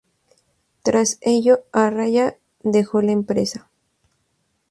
Tras ello, Araya dejó la empresa.